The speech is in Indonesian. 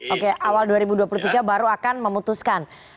oke awal dua ribu dua puluh tiga baru akan memutuskan